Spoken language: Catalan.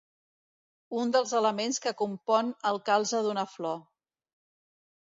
Un dels elements que compon el calze d'una flor.